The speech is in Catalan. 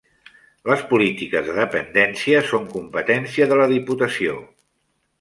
Les polítiques de dependència són competència de la Diputació.